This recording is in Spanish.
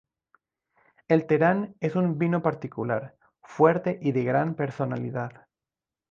El terán es un vino particular, fuerte y de gran personalidad.